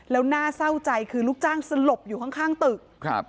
แล้วหน้าเซ้าใจคือลูกจ้างสลบอยู่ข้างตึก